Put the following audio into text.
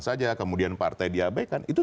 saja kemudian partai diabaikan itu